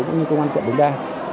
cũng như công an quận đống đa